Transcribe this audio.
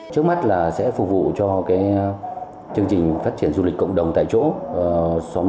trước mắt là sẽ phục vụ cho chương trình phát triển du lịch cộng đồng tại chỗ